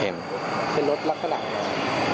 เห็นเป็นรถรักขนาดไหน